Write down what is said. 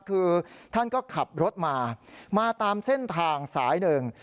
คือท่านก็ขับรถมามาตามเส้นทางสายหนึ่ง